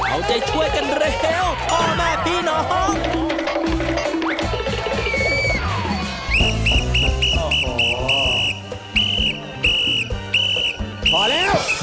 เอาใจช่วยกันเร็ว